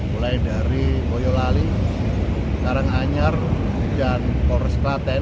mulai dari boyolali karanganyar dan polres klaten